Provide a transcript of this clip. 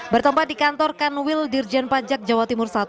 bertempat di kantor kanwil dirjen pajak jawa timur i